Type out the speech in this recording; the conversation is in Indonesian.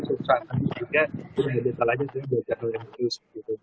sebesar besar sehingga tidak ada detail lagi saya bisa cari yang lebih serius